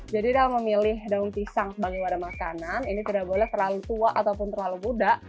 jadi dalam memilih daun pisang sebagai wadah makanan ini tidak boleh terlalu tua ataupun terlalu budak